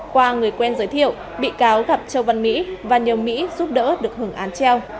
qua người quen giới thiệu bị cáo gặp châu văn mỹ và nhờ mỹ giúp đỡ được hưởng án treo